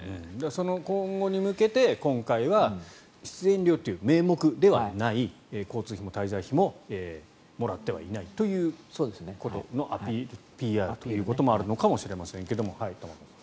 その今後に向けて今回は出演料という名目ではない交通費も滞在費ももらってはいないということのＰＲということもあるのかもしれませんが玉川さん。